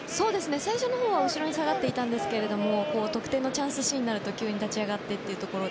最初は後ろのほうに下がっていたんですが得点のチャンスシーンになると急に立ち上がってという。